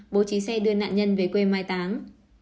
bố trí xe đưa nạn nhân về quê mai táng